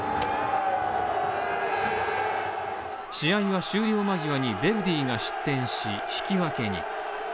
試合は終了間際にヴェルディが失点し引き分けに。